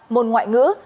môn ngoại ngữ